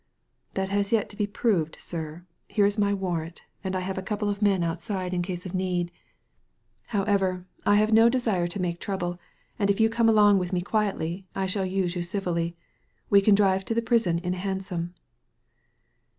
"That has yet to be proved, sir. Here is my warrant, and I have a couple of men outside in case Digitized by Google 136 THE LADY FROM NOWHERE of need. Howeveri I have no desire to make trouble, and if you come along with me quietlyi I shall «use you civilly. We can drive to the prison in a hansom."